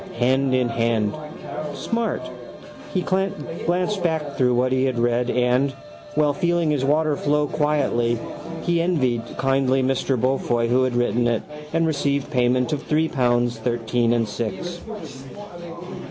Hand in hand. Smart. He glanced back through what he had read and, while feeling his water flow quietly, he envied kindly Mr Beaufoy who had written it and received payment of three pounds, thirteen and six.